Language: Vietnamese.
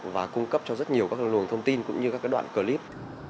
và cung cấp cho rất nhiều các luồng thông tin cũng như các đoạn clip